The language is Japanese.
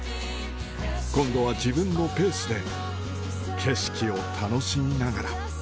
今後は自分のペースで、景色を楽しみながら。